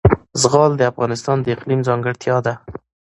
زغال د افغانستان د اقلیم ځانګړتیا ده.